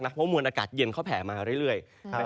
เพราะว่ามวลอากาศเย็นเขาแผ่มาเรื่อย